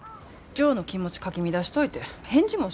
ジョーの気持ちかき乱しといて返事